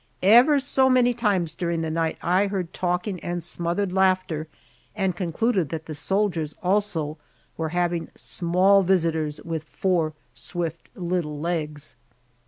Ever so many times during the night I heard talking and smothered laughter, and concluded that the soldiers also were having small visitors with four swift little legs.